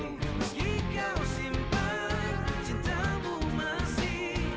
jika kau simpan cintamu masih